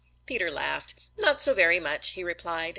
Peter laughed. "Not so very much," he replied.